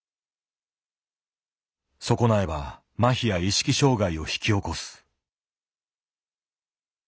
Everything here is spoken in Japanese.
損なえば麻痺や意識障害を引き起こす。